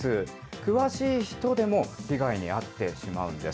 詳しい人でも、被害に遭ってしまうんです。